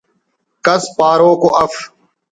کس پاروک ءُ اف